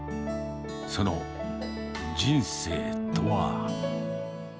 その人生とは。